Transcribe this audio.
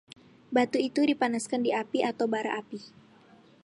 Batu itu dipanaskan di api atau bara api.